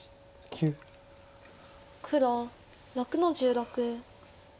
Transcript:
黒６の十六。